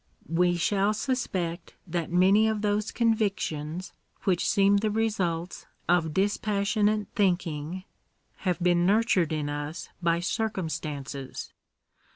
We shall sus pect that many of those convictions which seem the results of dispassionate thinking, have been nurtured in us by circum stances.